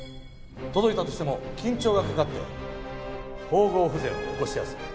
届いたとしても緊張がかかって縫合不全を起こしやすい。